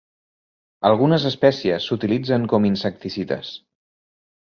Algunes espècies s"utilitzen com insecticides.